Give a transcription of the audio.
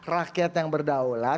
rakyat yang berdaulat